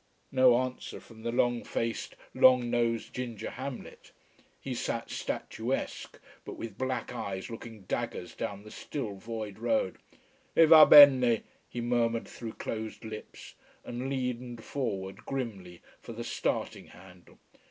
No answer from the long faced, long nosed ginger Hamlet. He sat statuesque, but with black eyes looking daggers down the still void road. "Eh va bene", he murmured through closed lips, and leaned forward grimly for the starting handle.